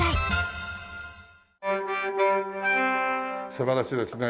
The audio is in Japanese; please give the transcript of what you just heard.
素晴らしいですね。